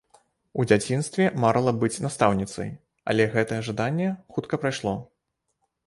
У дзяцінстве марыла быць настаўніцай, але гэтае жаданне хутка прайшло.